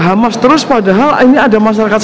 hamas terus padahal ini ada masyarakat